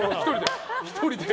１人で。